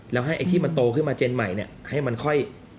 แล้วให้ไอ้ที่มันโตขึ้นมาเจนใหม่ให้มันค่อย